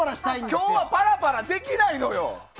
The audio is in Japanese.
今日はパラパラできないのよ！